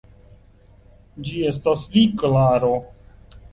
Ĝi estas vi, Klaro!